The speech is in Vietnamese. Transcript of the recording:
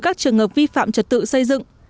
các trường hợp vi phạm trật tự xây dựng